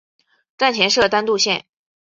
站前设单渡线。